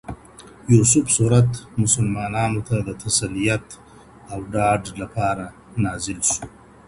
يوسف سورت مسلمانانو ته د تسليت او ډاډ لپاره نازل سو.